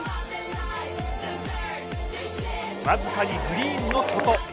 僅かにグリーンの外。